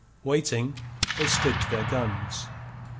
Waiting, they stood to their guns.